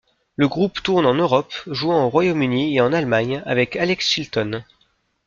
Le groupe tourne en Europe, jouant au Royaume-Uni et en Allemagne, avec Alex Chilton.